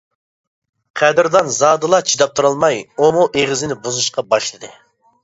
قەدىردان زادىلا چىداپ تۇرالماي، ئۇمۇ ئېغىزىنى بۇزۇشقا باشلىدى.